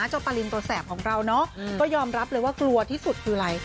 ปารินตัวแสบของเราเนาะก็ยอมรับเลยว่ากลัวที่สุดคืออะไร